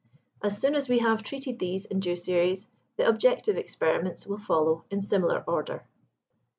As soon as we have treated these in due series, the objective experiments will follow in similar order.